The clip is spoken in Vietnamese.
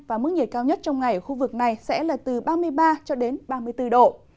và mức nhiệt cao nhất trong ngày ở khu vực này sẽ là từ ba mươi ba cho đến ba mươi bốn độ